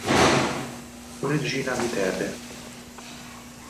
Fu regina di Tebe.